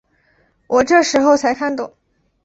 我这时候才看懂